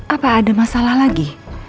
apa ada masalah lagi